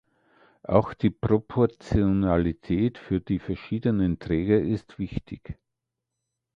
Auch die Proportionalität für die verschiedenen Träger ist wichtig.